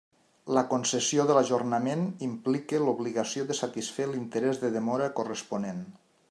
La concessió de l'ajornament implica l'obligació de satisfer l'interès de demora corresponent.